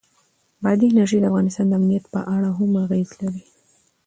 بادي انرژي د افغانستان د امنیت په اړه هم اغېز لري.